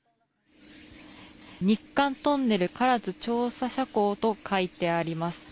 日韓トンネル唐津調査斜坑と書いてあります。